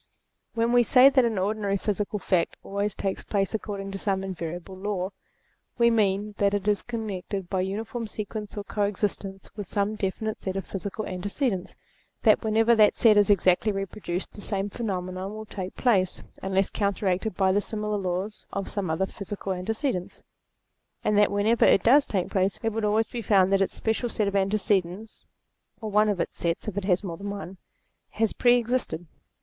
When we say that an ordinary physical fact always takes place according to some invariable law, we mean that it is connected by uniform sequence or coexist ence with some definite set of physical antecedents ; that whenever that set is exactly reproduced the same phenomenon will take place, unless counteracted by the similar laws of some other physical antecedents ; and that whenever it does take place, it would always be found that its special set of antecedents (or one of its sets if it has more than one) has pre existed.